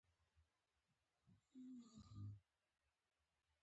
دور درېخت هالنډ.